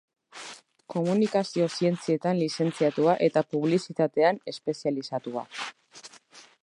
Komunikazio-zientzietan lizentziatua eta publizitatean espezializatua.